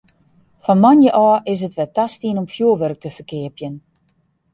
Fan moandei ôf is it wer tastien om fjoerwurk te ferkeapjen.